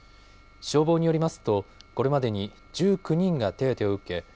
消防によりますとこれまでに１９人が手当てを受け